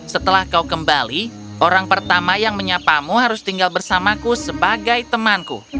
setelah kau kembali orang pertama yang menyapamu harus tinggal bersamaku sebagai temanku